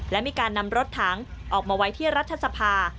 และมีการนำรถถังออกมาไว้ที่รัฐสภา